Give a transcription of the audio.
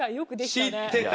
知ってた！